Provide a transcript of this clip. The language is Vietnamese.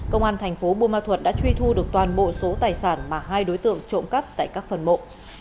công an thành phố buôn ma thuật đã truy thu được toàn bộ số tài sản mà hai đối tượng trộm cắp tại các phần mộ